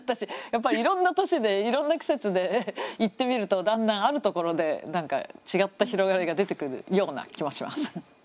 やっぱりいろんな年でいろんな季節で行ってみるとだんだんあるところで違った広がりが出てくるような気もします。